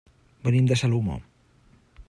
Venim de Salomó.